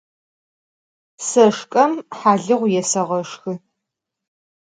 Se şşç'em halığu yêseğeşşxı.